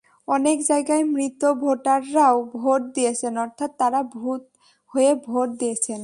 অনেক জায়গায় মৃত ভোটাররাও ভোট দিয়েছেন, অর্থাৎ তাঁরা ভূত হয়ে ভোট দিয়েছেন।